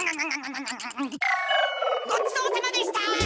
ごちそうさまでした！